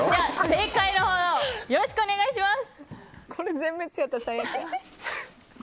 正解をよろしくお願いします。